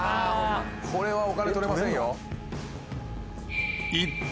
これはお金取れませんよ